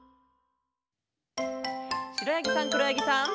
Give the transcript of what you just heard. しろやぎさんくろやぎさん。